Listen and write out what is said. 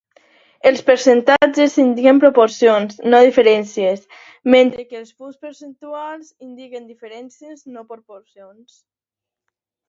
Els percentatges indiquen proporcions, no diferències, mentre que els punts percentuals indiquen diferències, no proporcions.